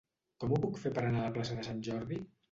Com ho puc fer per anar a la plaça de Sant Jordi?